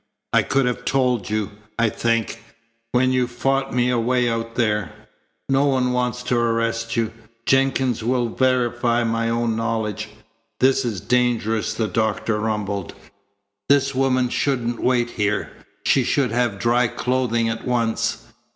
"I could have told you, I think, when you fought me away out there. No one wants to arrest you. Jenkins will verify my own knowledge." "This is dangerous," the doctor rumbled. "This woman shouldn't wait here. She should have dry clothing at once."